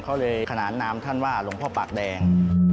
เขาเลยขนานนามท่านว่าหลวงพ่อปากแดง